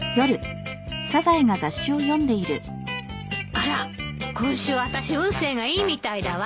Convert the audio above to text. あら今週あたし運勢がいいみたいだわ。